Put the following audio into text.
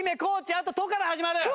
あと「と」から始まる。